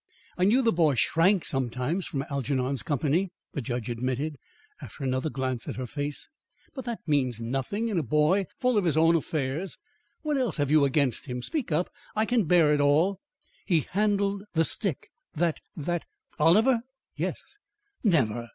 "I knew the boy shrank sometimes from Algernon's company," the judge admitted, after another glance at her face; "but that means nothing in a boy full of his own affairs. What else have you against him? Speak up! I can bear it all." "He handled the stick that that " "Oliver?" "Yes." "Never!